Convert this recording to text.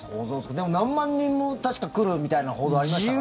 でも、何万人も来るみたいな報道ありましたよね。